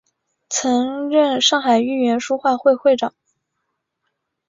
曾任上海豫园书画会会长。